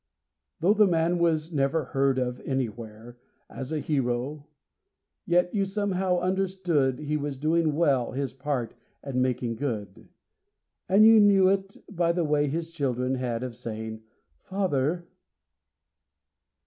Though the man was never heard of anywhere, As a hero, yet you somehow understood He was doing well his part and making good; And you knew it, by the way his children had Of saying 'Father.